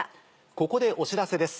ここでお知らせです。